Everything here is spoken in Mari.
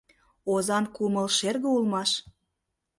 Озан кумыл шерге улмаш.